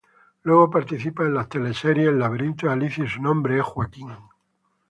Luego participa en las teleseries El laberinto de Alicia y Su nombre es Joaquín.